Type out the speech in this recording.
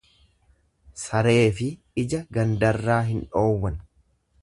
Sareefi ija gandarraa hin dhoowwan.